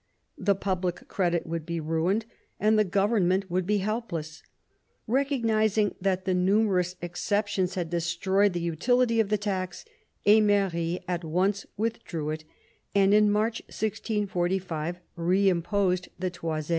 The public credit would be ruined and the government would be helpless. Recognising that the numerous exceptions had destroyed the utility of the tax, Emery at once withdrew it, and in March 1645 reimposed the toisd.